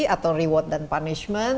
atau reward dan punishment